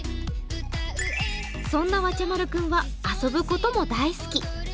そんなわちゃまる君は遊ぶことも大好き。